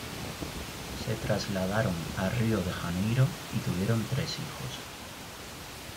Se trasladaron a Río de Janeiro y tuvieron tres hijos.